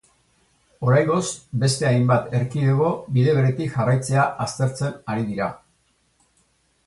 Oraingoz, beste hainbat erkidego bide beretik jarraitzea aztertzen ari dira.